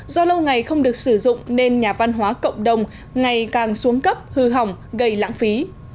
do lâu ngày không được sử dụng nên nhà văn hóa cộng đồng ngày càng xuống cấp hư hỏng gây lãng phí